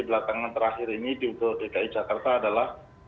belakangan terakhir ini di dki jakarta adalah